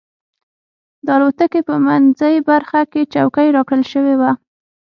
د الوتکې په منځۍ برخه کې چوکۍ راکړل شوې وه.